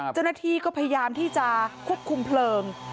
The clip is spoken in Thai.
เจ้าหน้าที่ก็พยายามที่จะควบคุมเพลิง